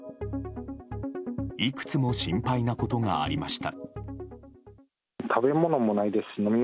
いくつも心配なことがありました。